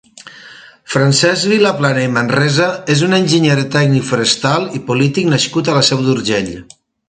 Francesc Viaplana i Manresa és un enginyer tècnic forestal i polític nascut a la Seu d'Urgell.